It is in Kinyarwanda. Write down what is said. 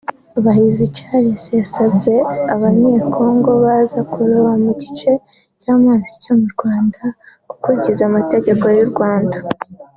Bahizi Charles yasabye abanyecongo baza kuroba mu gice cy’amazi cyo mu Rwanda gukurikiza amategeko y’u Rwanda